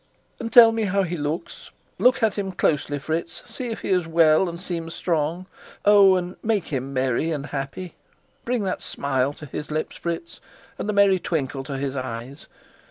"And tell me how he looks. Look at him closely, Fritz. See if he is well and seems strong. Oh, and make him merry and happy! Bring that smile to his lips, Fritz, and the merry twinkle to his eyes.